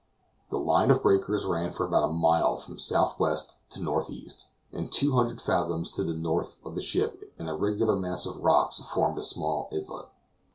The line of breakers ran for about a mile from southwest to northeast, and two hundred fathoms to the north of the ship an irregular mass of rocks formed a small islet.